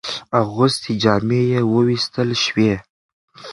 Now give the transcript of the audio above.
اغوستي جامې ووېستل شوې.